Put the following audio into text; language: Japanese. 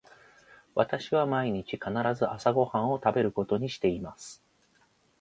私は毎日必ず朝ご飯を食べることにしています。